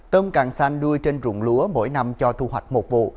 tôm càng xanh đuôi trên rụng lúa mỗi năm cho thu hoạch một vụ